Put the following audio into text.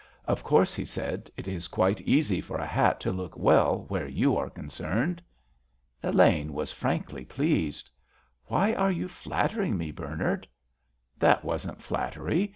"Of course," he said, "it is quite easy for a hat to look well where you are concerned." Elaine was frankly pleased. "Why are you flattering me, Bernard?" "That wasn't flattery.